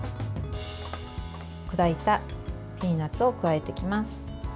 砕いたピーナツを加えていきます。